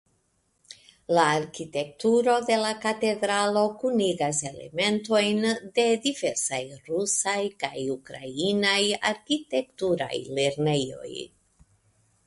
La arkitekturo de la katedralo kunigas elementojn de diversaj rusaj kaj ukrainaj arkitekturaj lernejoj.